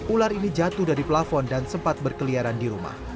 ular ini jatuh dari plafon dan sempat berkeliaran di rumah